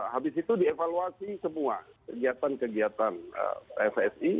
habis itu dievaluasi semua kegiatan kegiatan fsi